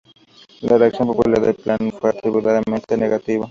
La reacción popular al plan fue abrumadoramente negativa.